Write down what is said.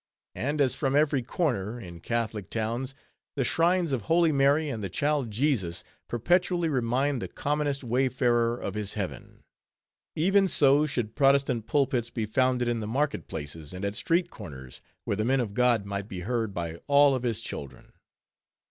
And as from every corner, in Catholic towns, the shrines of Holy Mary and the Child Jesus perpetually remind the commonest wayfarer of his heaven; even so should Protestant pulpits be founded in the market places, and at street corners, where the men of God might be heard by all of His children.